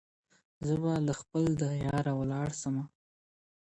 زه به له خپل دياره ولاړ سمه,